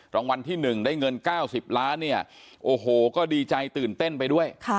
รางวัลที่๑ได้เงิน๙๐ล้านเนี่ยโอ้โหก็ดีใจตื่นเต้นไปด้วย